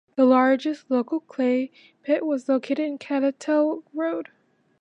The largest local clay pit was located on Cattell Road.